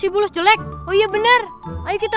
batu buon maksimum